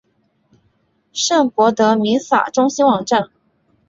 圣博德弥撒中心网站